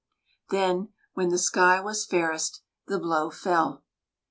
Then, when the sky was fairest, the blow fell.